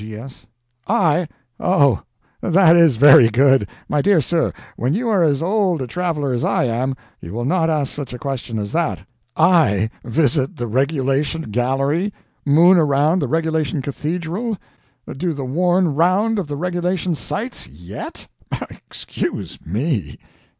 G.S. I! Oh, that is VERY good! My dear sir, when you are as old a traveler as I am, you will not ask such a question as that. I visit the regulation gallery, moon around the regulation cathedral, do the worn round of the regulation sights, YET? Excuse me!